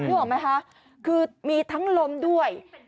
ออกไหมคะคือมีทั้งลมด้วย